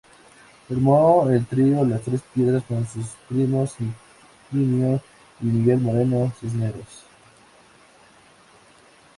Formó el trío Las Tres Piedras con sus primos Higinio y Miguel Moreno Cisneros.